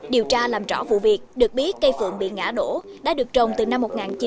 điều tra làm rõ vụ việc được biết cây phượng bị ngã đổ đã được trồng từ năm một nghìn chín trăm chín mươi